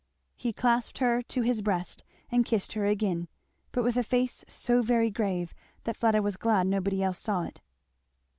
He clasped her to his breast and kissed her again; but with a face so very grave that Fleda was glad nobody else saw it.